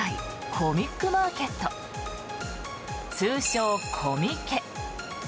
コミックマーケット通称コミケ。